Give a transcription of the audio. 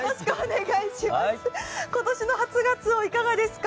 今年の初がつお、いかがですか？